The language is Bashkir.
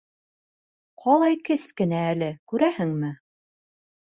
Ҡалай кескенә әле, күрәһеңме?